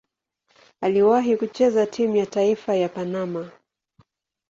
Aliwahi kucheza timu ya taifa ya Panama.